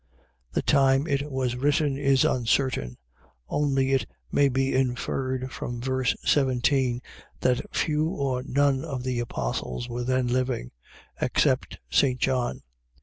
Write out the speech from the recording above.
The time it was written is uncertain: only it may be inferred from verse 17 that few or none of the Apostles were then living, except St. John.